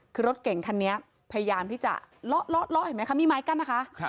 คือรถเก่งคันนี้พยายามที่จะเลาะเห็นไหมคะมีไม้กั้นนะคะ